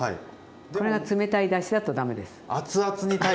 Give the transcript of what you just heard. これが冷たいだしだとダメです。